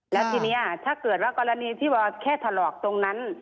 แล้วทีนี้ถ้าเกิดว่ากรณีที่ว่าแค่ถลอกตรงนั้น